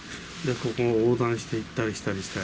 ここを横断していったりしたりして。